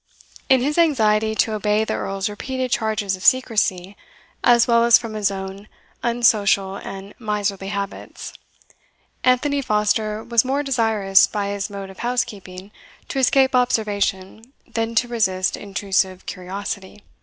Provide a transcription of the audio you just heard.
In his anxiety to obey the Earl's repeated charges of secrecy, as well as from his own unsocial and miserly habits, Anthony Foster was more desirous, by his mode of housekeeping, to escape observation than to resist intrusive curiosity.